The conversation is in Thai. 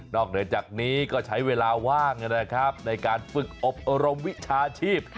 เหนือจากนี้ก็ใช้เวลาว่างนะครับในการฝึกอบรมวิชาชีพ